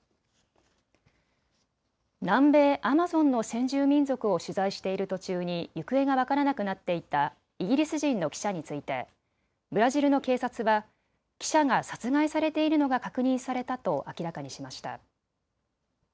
南米・アマゾンの先住民族を取材している途中に行方が分からなくなっていたイギリス人の記者についてブラジルの警察は記者が殺害されているのが確認されたと明らかにしました。